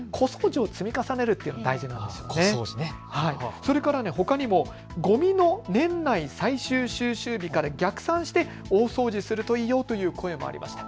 それからほかにもごみの年内最終収集日から逆算して大掃除するといいよという声もありました。